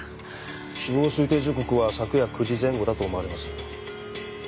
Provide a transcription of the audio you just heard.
死亡推定時刻は昨夜９時前後だと思われます。